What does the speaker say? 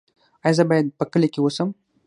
ایا زه باید په کلي کې اوسم؟